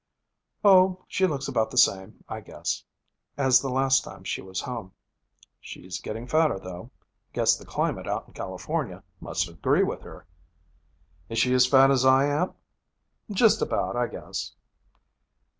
'Oh, she looks about the same, I guess, as the last time she was home. She's getting fatter, though. Guess the climate out in California must agree with her.' 'Is she as fat as I am?' 'Just about, I guess.'